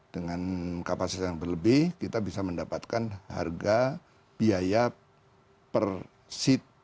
dengan kapasitas yang berlebih kita bisa mendapatkan harga biaya per seat